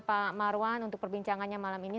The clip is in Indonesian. pak marwan untuk perbincangannya malam ini